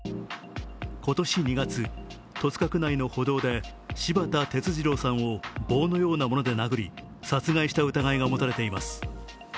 今年２月、戸塚区内の歩道で柴田哲二郎さんを棒のようなもので殴り殺害した疑いが持たれています。